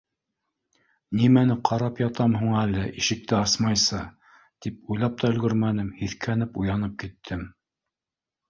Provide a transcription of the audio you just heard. Нимәне ҡарап ятам һуң әле ишекте асмайса, — тип уйлап та өлгөрмәнем, һиҫкәнеп уянып киттем.